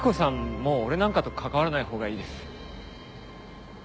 もう俺なんかと関わらないほうがいいです。